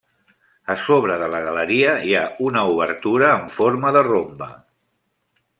A sobre de la galeria hi ha una obertura amb forma de rombe.